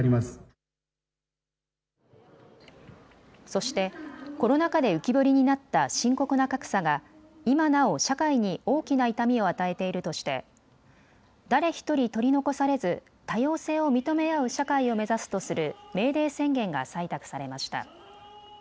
そしてコロナ禍で浮き彫りになった深刻な格差が今なお社会に大きな痛みを与えているとして誰ひとり取り残されず多様性を認め合う社会を目指すとするメーデー宣言が採択されました。